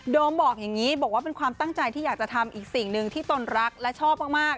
บอกอย่างนี้บอกว่าเป็นความตั้งใจที่อยากจะทำอีกสิ่งหนึ่งที่ตนรักและชอบมาก